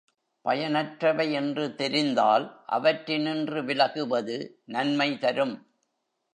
பயனற்றவை என்று தெரிந்தால் அவற்றினின்று விலகுவது நன்மை தரும்.